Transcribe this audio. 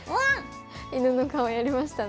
犬の顔やりましたね